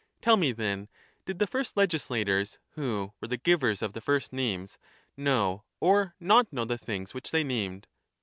Tell me, then, did the first legislators, who were the givers of the first names, know or not know the things which they named?